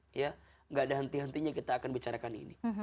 tidak ada henti hentinya kita akan bicarakan ini